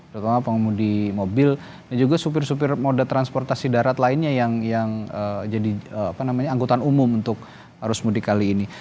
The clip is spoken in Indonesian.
terutama pengemudi mobil dan juga supir supir moda transportasi darat lainnya yang jadi angkutan umum untuk arus mudik kali ini